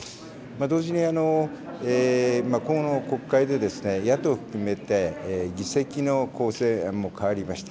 同時にこの国会で野党含めて、議席の構成も変わりました。